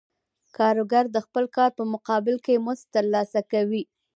کارګر د خپل کار په مقابل کې مزد ترلاسه کوي